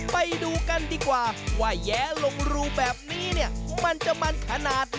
ไปดูกันดีกว่าว่าแย้ลงรูแบบนี้เนี่ยมันจะมันขนาดไหน